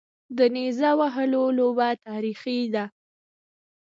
د نیزه وهلو لوبه تاریخي ده